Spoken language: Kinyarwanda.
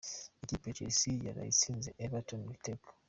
Ikipe ya Chelsea yaraye itsinze Everton ibitego.